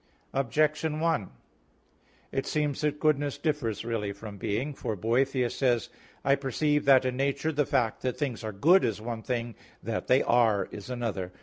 Objection 1: It seems that goodness differs really from being. For Boethius says (De Hebdom.): "I perceive that in nature the fact that things are good is one thing: that they are is another."